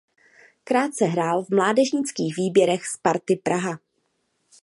Krátce hrál v mládežnických výběrech Sparty Praha.